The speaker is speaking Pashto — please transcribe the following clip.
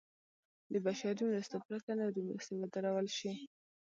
د بشري مرستو پرته نورې مرستې ودرول شي.